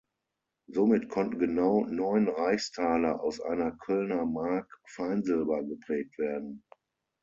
Somit konnten genau neun Reichstaler aus einer Kölner Mark Feinsilber geprägt werden.